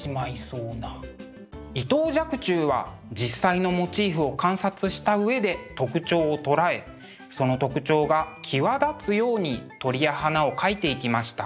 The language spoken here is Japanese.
伊藤若冲は実際のモチーフを観察した上で特徴を捉えその特徴が際立つように鳥や花を描いていきました。